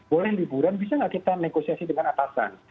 boleh liburan bisa nggak kita negosiasi dengan atasan